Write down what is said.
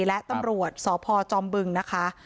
และตำรวจสพจอมบึงนะคะ